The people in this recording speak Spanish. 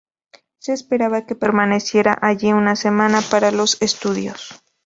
Se esperaba que permaneciera allí una semana, para los estudios.